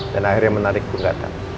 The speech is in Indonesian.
dan akhirnya menarik penggantan